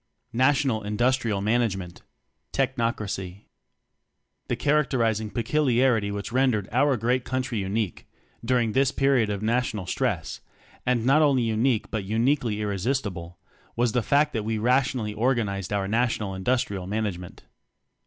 National Industrial Management Technocracy. The characterizing peculiarity which rendered our great country unique during this period of national stress and not only unique but uniquely ir resistible, was the fact that we ra tionally organized our National Indus trial Management.